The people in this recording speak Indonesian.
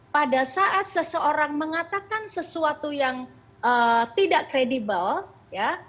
pada saat seseorang mengatakan sesuatu yang tidak kredibel ya